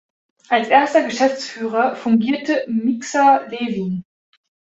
Als erster Geschäftsführer fungierte Miksa Lewin.